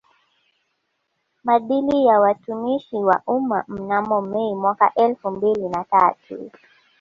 Maadili ya Watumishi wa Umma mnamo Mei mwaka elfumbili na tatu